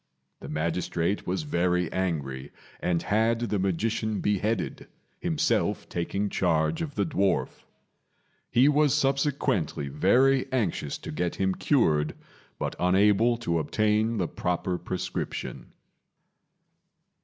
The magistrate was very angry and had the magician beheaded, himself taking charge of the dwarf. He was subsequently very anxious to get him cured, but unable to obtain the proper prescription.